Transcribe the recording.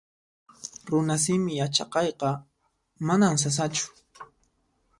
Runasimi yachaqayqa manan sasachu